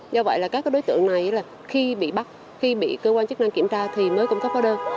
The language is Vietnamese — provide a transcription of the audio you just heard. do vậy là các đối tượng này là khi bị bắt khi bị cơ quan chức năng kiểm tra thì mới cung cấp hóa đơn